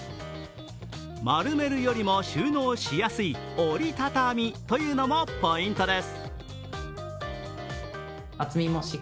丸めるよりも収納しやすい折り畳みというのもポイントです。